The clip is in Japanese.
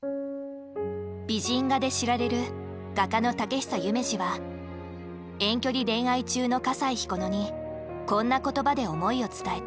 美人画で知られる画家の遠距離恋愛中の笠井彦乃にこんな言葉で思いを伝えた。